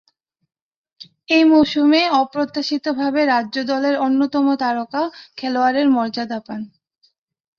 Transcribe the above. এ মৌসুমে অপ্রত্যাশিতভাবে রাজ্য দলের অন্যতম তারকা খেলোয়াড়ের মর্যাদা পান।